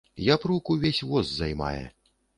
Япрук увесь воз займае.